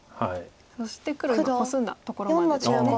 そして黒今コスんだところまでですね。